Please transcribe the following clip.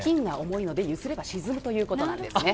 金は重いのでゆすれば沈むということなんですね。